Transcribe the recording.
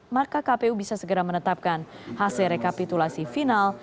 maka kpu bisa segera menetapkan hasil rekapitulasi final